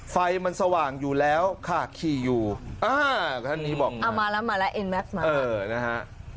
ไฟมันสว่างอยู่แล้วค่ะขี่อยู่อ่าท่านนี้บอกเอามาแล้วมาแล้วเอ็นแม็กซมาเออนะฮะ